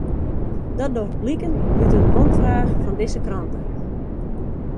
Dat docht bliken út in omfraach fan dizze krante.